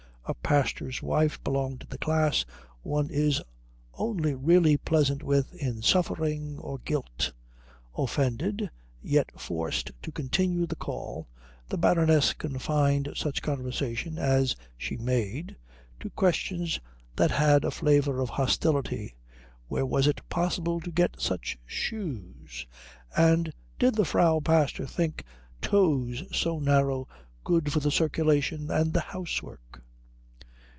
A pastor's wife belonged to the class one is only really pleasant with in suffering or guilt. Offended, yet forced to continue the call, the Baroness confined such conversation as she made to questions that had a flavour of hostility: where was it possible to get such shoes, and did the Frau Pastor think toes so narrow good for the circulation and the housework?